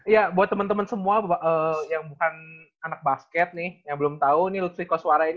ya buat temen temen semua yang bukan anak basket nih yang belum tau ini lutfi koswara ini